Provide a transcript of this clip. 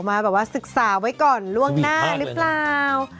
มาแบบว่าศึกษาไว้ก่อนล่วงหน้าหรือเปล่า